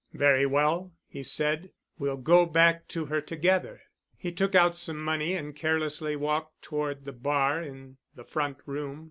"Very well," he said, "we'll go back to her together." He took out some money and carelessly walked toward the bar in the front room.